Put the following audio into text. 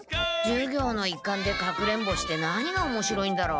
授業の一環で隠れんぼして何がおもしろいんだろう？